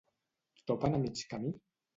Topen a mig camí?